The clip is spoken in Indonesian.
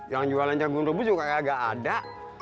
yang jualan jagung rebus juga agak ada